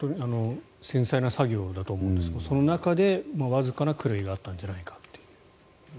繊細な作業だと思うんですがその中で、わずかな狂いがあったんじゃないかと。